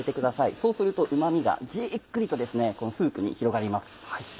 そうするとうま味がじっくりとこのスープに広がります。